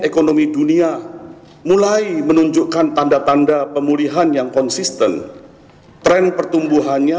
ekonomi dunia mulai menunjukkan tanda tanda pemulihan yang konsisten tren pertumbuhannya